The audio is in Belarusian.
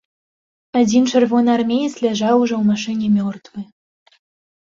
Адзін чырвонаармеец ляжаў ужо ў машыне мёртвы.